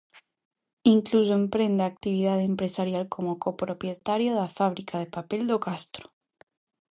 Incluso emprende a actividade empresarial como copropietario da fábrica de papel do Castro.